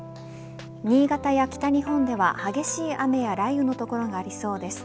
新潟や北日本では激しい雨や雷雨の所がありそうです。